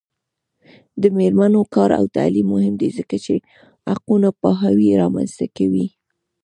د میرمنو کار او تعلیم مهم دی ځکه چې حقونو پوهاوی رامنځته کوي.